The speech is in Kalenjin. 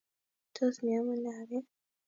Tos mi amune agee?